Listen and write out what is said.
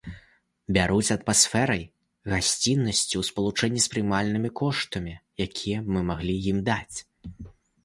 Бяруць атмасферай, гасціннасцю ў спалучэнні з прымальнымі коштамі, якія мы маглі б ім даць.